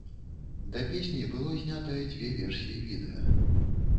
Да песні было знятае дзве версіі відэа.